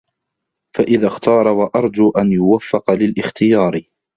فَإِذَا اخْتَارَ وَأَرْجُو أَنْ يُوَفَّقَ لِلِاخْتِيَارِ